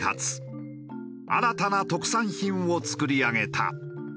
新たな特産品を作り上げた。